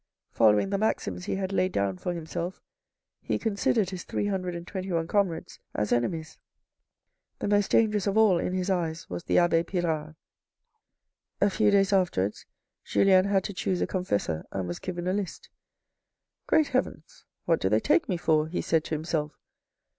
Following the maxims he had laid down for himself, he considered his three hundred and twenty one comrades as enemies. The most dangerous of all in his eyes was the abbe Pirard. A few days afterwards Julien had to choose a confessor, and was given a list. " Great heavens ! what do they take me for ?" he said to himself.